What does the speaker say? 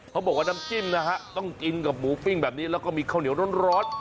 เขาบอกว่าน้ำจิ้มนะฮะต้องกินกับหมูปิ้งแบบนี้แล้วก็มีข้าวเหนียวร้อน